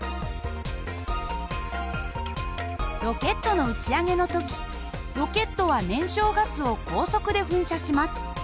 ロケットの打ち上げの時ロケットは燃焼ガスを高速で噴射します。